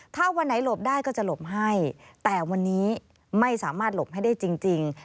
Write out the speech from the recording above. ถ้าวันไหนหลบได้ก็จะหลบให้แต่วันนี้ไม่สามารถหลบให้ได้จริง